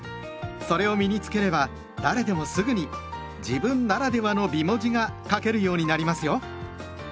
それを身に付ければ誰でもすぐに「自分ならではの美文字」が書けるようになりますよ。